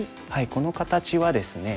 この形はですね